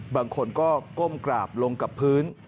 บางคนก็ก้มกราบลงกับพื้น